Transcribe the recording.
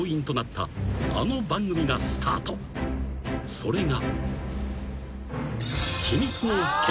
［それが］